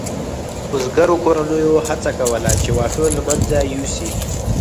بزګرو کورنیو هڅه کوله چې واښه له منځه یوسي.